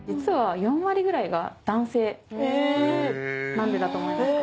何でだと思いますか？